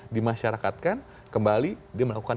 dimasyarakatkan kembali dia melakukan